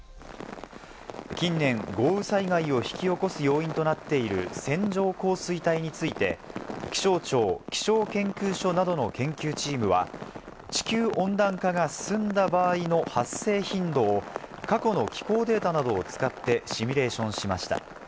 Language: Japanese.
近年、豪雨災害を引き起こす要因となっている線状降水帯について、気象庁気象研究所などの研究チームは地球温暖化が進んだ場合の発生頻度を過去の気候データなどを使って、シミュレーションしました。